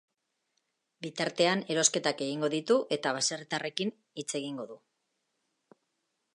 Bitartean erosketak egingo ditu eta baserritarrekin hitz egingo du.